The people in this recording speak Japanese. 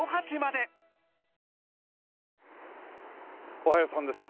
おはようさんです。